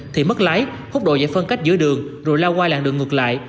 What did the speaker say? thì mất lái hút độ giải phân cách giữa đường rồi lao qua làng đường ngược lại